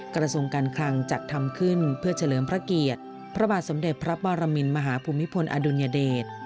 กระทรวงการคลังจัดทำขึ้นเพื่อเฉลิมพระเกียรติพระบาทสมเด็จพระปรมินมหาภูมิพลอดุลยเดช